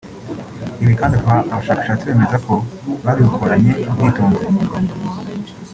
Ibi kandi aba bashakashatsi bemeza ko babikoranye ubwitonzi